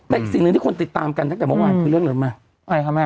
แต่อีกสิ่งหนึ่งที่คนติดตามกันตั้งแต่เมื่อวานคือเรื่องอะไรรู้ไหมอะไรคะแม่